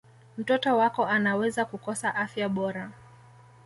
mtoto wako anaweza kukosa afya bora